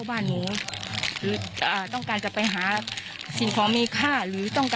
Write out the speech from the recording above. ตื่นสวนห่วง